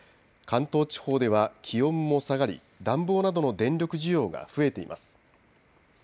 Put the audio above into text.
関東地方では気温も下がり暖房などの電力需要が増えています。